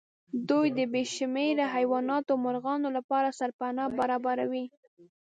دوی د بې شمېره حيواناتو او مرغانو لپاره سرپناه برابروي.